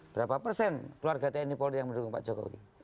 berapa persen keluarga tni polri yang mendukung pak jokowi